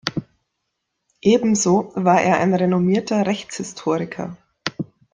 Ebenso war er ein renommierter Rechtshistoriker.